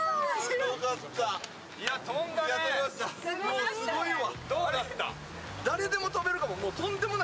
もうすごいわ。